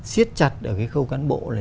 siết chặt ở cái khâu cán bộ là